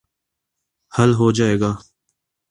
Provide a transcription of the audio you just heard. حل ہو جائے گا۔